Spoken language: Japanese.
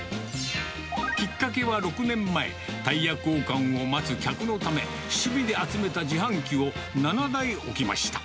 きっかけは６年前、タイヤ交換を待つ客のため、趣味で集めた自販機を７台置きました。